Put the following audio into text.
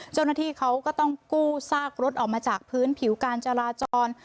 เจ้าหน้าที่เขาก็ต้องกู้ซากรถออกมาจากพื้นผิวการจราจร